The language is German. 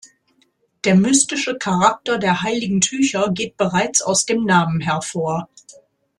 Der mystische Charakter der heiligen Tücher geht bereits aus dem Namen hervor.